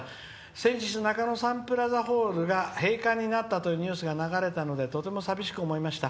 先日、中野サンプラザホールが閉館になったというニュースが流れたのでとてもさびしく思いました。